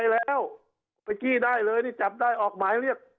แล้วไปจี้ได้เลยนี่จับได้ออกหมายเรียก